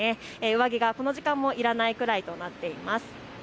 上着がこの時間もいらないくらいとなっています。